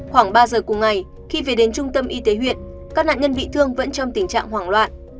khoảng ba giờ cùng ngày khi về đến trung tâm y tế huyện các nạn nhân bị thương vẫn trong tình trạng hoảng loạn